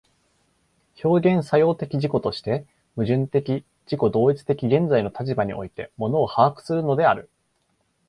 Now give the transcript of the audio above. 表現作用的自己として、矛盾的自己同一的現在の立場において物を把握するのである。